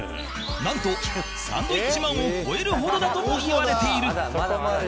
なんとサンドウィッチマンを超えるほどだともいわれている